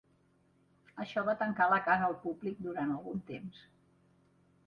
Això va tancar la casa al públic durant algun temps.